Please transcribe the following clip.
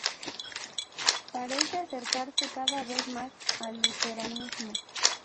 Parece acercarse cada vez más al luteranismo.